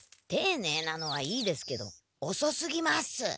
ていねいなのはいいですけどおそすぎます。